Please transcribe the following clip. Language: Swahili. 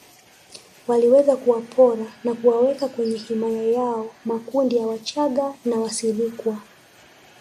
Waliweza kuwapora na kuwaweka kwenye himaya yao makundi ya wachaga na Wasirikwa